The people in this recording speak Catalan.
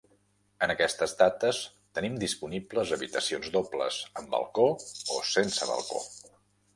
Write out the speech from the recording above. En aquestes dates tenim disponibles habitacions dobles, amb balcó o sense balcó.